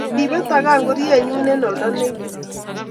Kibetaga ngorienyu eng' oldo ne kinto